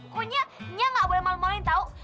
koknya nya ga boleh malu maluin tau